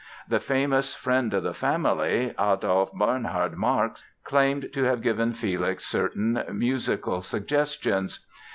The famous friend of the family, Adolph Bernhard Marx, claimed to have given Felix certain musical suggestions.